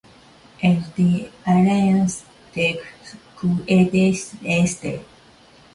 And the Alliance took Ciudad del Este.